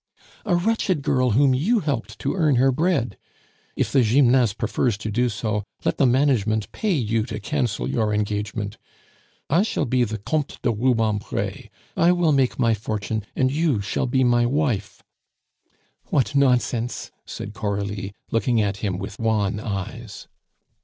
"A wretched girl, whom you helped to earn her bread! If the Gymnase prefers to do so, let the management pay you to cancel your engagement. I shall be the Comte de Rubempre; I will make my fortune, and you shall be my wife." "What nonsense!" said Coralie, looking at him with wan eyes.